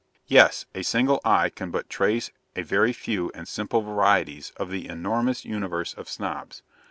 Yes: a single eye can but trace a very few and simple varieties of the enormous universe of Snobs.